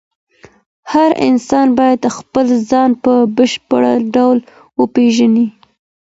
هر انسان باید خپل ځان په بشپړ ډول وپیژني.